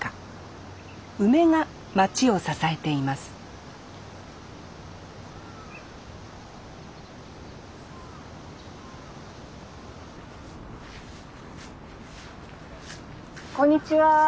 梅が町を支えていますこんにちは。